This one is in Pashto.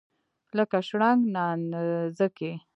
لکه شرنګ نانځکې.